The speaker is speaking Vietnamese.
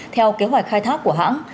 theo kế hoạch khai thác của hãng